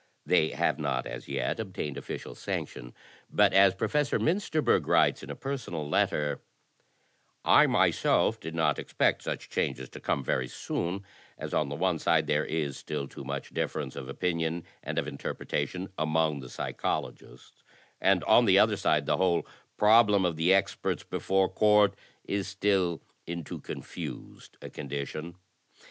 T^ey have not as yet obtained official sanction, but as Professor Miinsterberg writes in a personal letter, "I myself did not expect such changes to come very soon, as on the one side there is still too much difference of opinion and of inter pretation among the psychologists, and on the other side the whole problem of the experts before court is still in too con fused a condition.